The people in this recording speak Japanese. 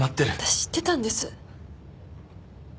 私知ってたんです。